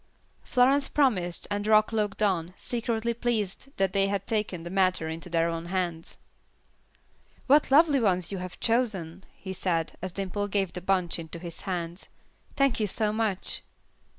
Florence promised, and Rock looked on, secretly pleased that they had taken the matter into their own hands. "What lovely ones you have chosen," he said, as Dimple gave the bunch into his hands. "Thank you so much."